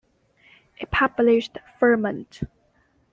It published "Ferment".